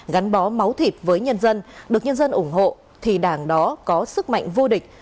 gắn bó máu thịt với nhân dân được nhân dân ủng hộ thì đảng đó có sức mạnh vô địch